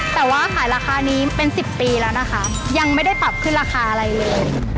แต่ว่าขายราคานี้เป็น๑๐ปีแล้วนะคะยังไม่ได้ปรับขึ้นราคาอะไรเลย